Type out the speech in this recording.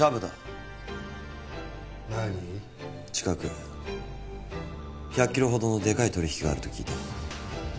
近く１００ｋｇほどのでかい取引があると聞いた。